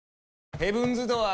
ヘブンズ・ドアー！